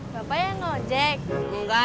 bapaknya enggak ada